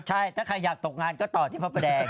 ใช่ถ้าใครอยากตกงานก็ต่อที่พระประแดง